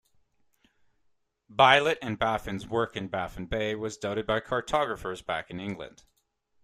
Bylot and Baffin's work in Baffin Bay was doubted by cartographers back in England.